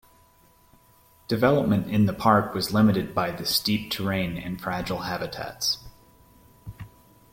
Development in the park was limited by the steep terrain and fragile habitats.